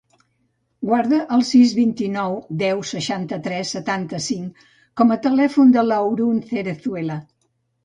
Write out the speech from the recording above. Guarda el sis, vint-i-nou, deu, seixanta-tres, setanta-cinc com a telèfon de l'Haroun Cerezuela.